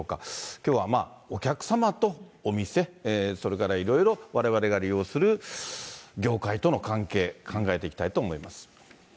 きょうはまあ、お客様とお店、それからいろいろわれわれが利用する業界との関係、考えていきたいと思います。